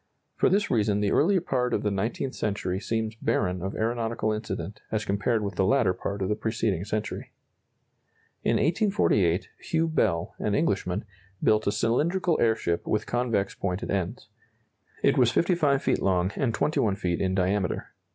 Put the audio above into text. For this reason the early part of the nineteenth century seems barren of aeronautical incident as compared with the latter part of the preceding century. In 1848, Hugh Bell, an Englishman, built a cylindrical airship with convex pointed ends. It was 55 feet long and 21 feet in diameter.